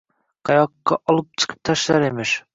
Qayoqqa olib chiqib tashlar emish?